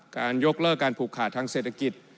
การยกเลิกการผูกขาดทางเศรษฐกิจ